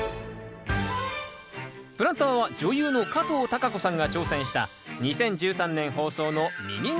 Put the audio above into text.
プランターは女優の加藤貴子さんが挑戦した２０１３年放送の「ミニニンジン」。